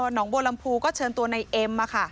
หนองโบรมภูก็เชิญตัวในเอ็ม